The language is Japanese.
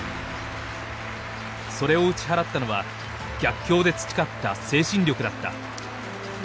それを打ち払ったのは逆境で培った精神力だった。